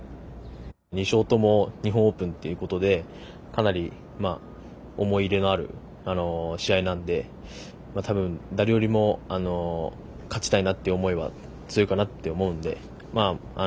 ２勝とも日本オープンってことでかなり思い入れのある試合なので多分、誰よりも勝ちたいなという思いは強いかなと思うので。